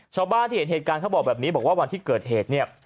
ชาวบ้านที่เห็นเหตุการณ์เขาบอกแบบนี้บอกว่าวันที่เกิดเหตุเนี่ย